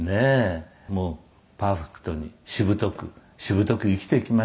「もうパーフェクトにしぶとくしぶとく生きていきましょう」